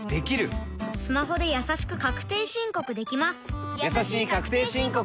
スマホでやさしく確定申告できます